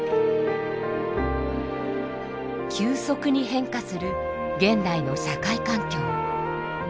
急速に変化する現代の社会環境。